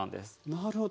なるほど。